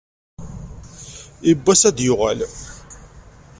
Yiwen n wass ad d-yuɣal.